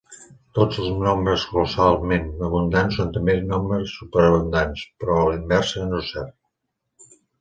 Tots els nombres colossalment abundants són també nombres superabundants, però a la inversa no és cert.